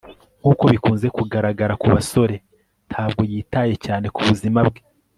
Nkuko bikunze kugaragara ku basore ntabwo yitaye cyane ku buzima bwe